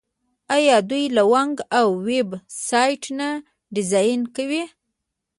آیا دوی لوګو او ویب سایټ نه ډیزاین کوي؟